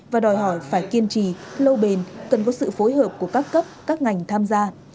và đòi hỏi phải kiên trì lâu bền cần có sự phối hợp của các cấp các ngành tham gia